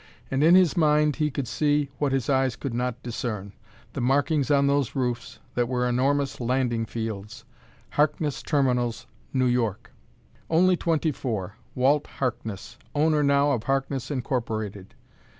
And in his mind he could see what his eyes could not discern the markings on those roofs that were enormous landing fields: Harkness Terminals, New York. Only twenty four, Walt Harkness owner now of Harkness, Incorporated.